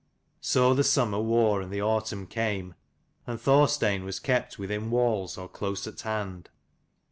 So the summer wore and the autumn came, and Thorstein was kept within walls or close at hand.